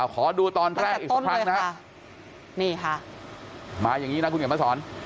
ขอดูตอนแรกอีกเทู่โลงนะคะ